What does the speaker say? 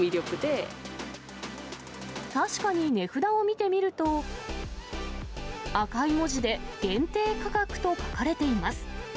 確かに値札を見てみると、赤い文字で限定価格と書かれています。